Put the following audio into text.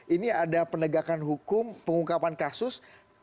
ini ada penegakan hukum pengungkapan kasus